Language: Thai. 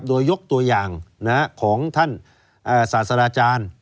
โดยยกตัวอย่างของท่านสาธาราชาญ